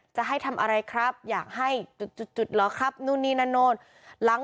จะให้ทำอะไรครับอยากให้จุดหรอครับนู่นนี่นานนู่น